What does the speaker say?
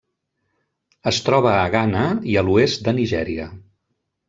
Es troba a Ghana i a l'oest de Nigèria.